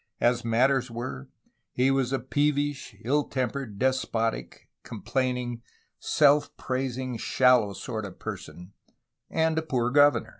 As matters were, he was a peevish, ill tempered, despotic, complaining, self praising, shallow sort of person and a poor governor.